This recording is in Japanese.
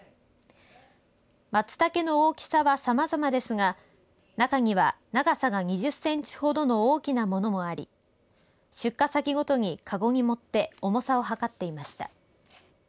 マツタケの大きさはさまざまですが中には長さが２０センチほどの大きなものもあり出荷先ごとにかごに盛って重さを量っていました。